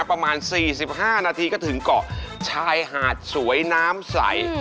ประมาณ๔๕นาทีก็ถึงเกาะชายหาดสวยน้ำใส